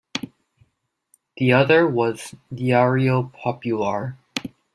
The other was "Diário Popular".